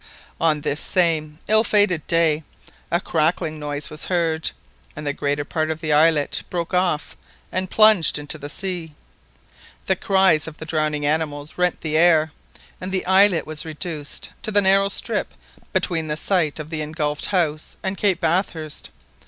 On this same ill fated day a crackling noise was heard, and the greater part of the islet broke off, and plunged into the sea. The cries of the drowning animals rent the air, and the islet was reduced to the narrow strip between the site of the engulfed house and Cape Bathurst.